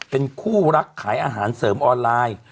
เป็นคู่รักขายอาหารเสริมออนไลน์